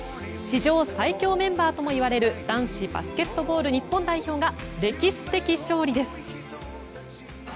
史上最強メンバーともいわれる男子バスケットボール日本代表が歴史的勝利です。